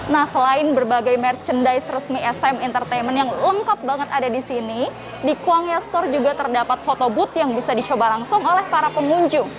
nah selain berbagai merchandise resmi sm entertainment yang lengkap banget ada di sini di kuangya store juga terdapat foto booth yang bisa dicoba langsung oleh para pengunjung